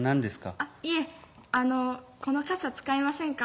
「あっいえあのこの傘使いませんか？